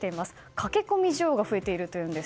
駆け込み需要が増えているというんです。